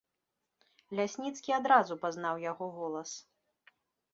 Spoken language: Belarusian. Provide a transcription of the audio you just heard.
Лясніцкі адразу пазнаў яго голас.